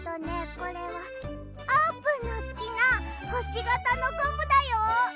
これはあーぷんのすきなほしがたのゴムだよ！